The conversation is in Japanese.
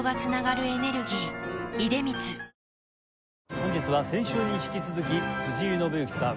本日は先週に引き続き辻井伸行さん